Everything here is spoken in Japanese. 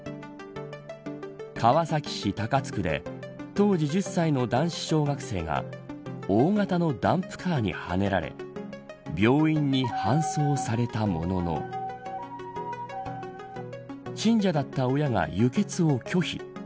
川崎市高津区で当時１０歳の男子小学生が大型のダンプカーにはねられ病院に搬送されたものの信者だった親が輸血を拒否。